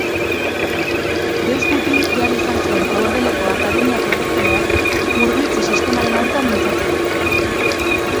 Deus guti behar izan zuen Bordeleko Akademiako errektoreak murgiltze sistemaren aurka mintzatzeko.